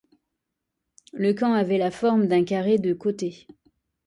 Le camp avait la forme d'un carré de de côté.